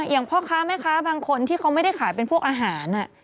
อย่างพ่อค้าแม่ค้าบางคนที่เขาไม่ได้ขายเป็นพวกอาหาร